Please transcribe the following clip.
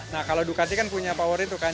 nah kalau dukasi kan punya power itu kan